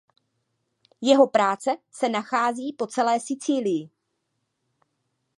Jeho práce se nachází po celé Sicílii.